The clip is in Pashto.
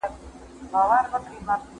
له بهره اخیستل شوې وریجې ژر وخورئ.